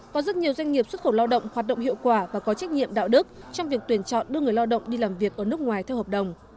có rất nhiều doanh nghiệp xuất khẩu lao động hoạt động hiệu quả và có trách nhiệm đạo đức trong việc tuyển chọn đưa người lao động đi làm việc ở nước ngoài theo hợp đồng